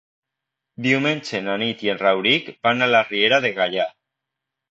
Diumenge na Nit i en Rauric van a la Riera de Gaià.